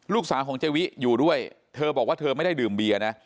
ลูกสาวของเจวิอยู่ด้วยเธอบอกว่าเธอไม่ได้ดื่มเบียร์นะ